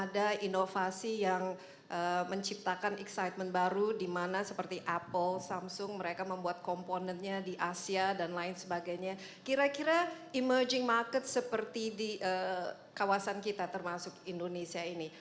di asia dan lain sebagainya kira kira emerging market seperti di kawasan kita termasuk indonesia ini